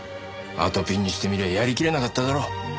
あとぴんにしてみりゃやりきれなかっただろ。